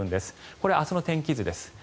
これ、明日の天気図です。